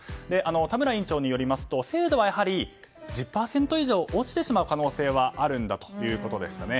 田村院長によりますと精度は１０％以上落ちてしまう可能性はあるんだということでしたね。